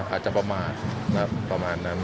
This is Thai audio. อาจจะประมาทประมาณนั้น